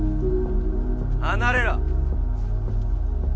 離れろ！